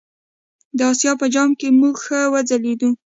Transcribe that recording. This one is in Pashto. د آسیا په جام کې موږ ښه وځلیدو.